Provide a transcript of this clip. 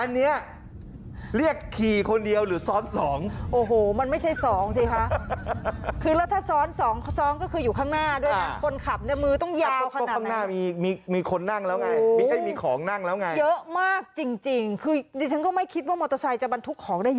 มีคนนั่งแล้วไงมีของนั่งแล้วไงเยอะมากจริงคือหลังด้วยถ่ายคลิปนี้เอาไว้ค่ะ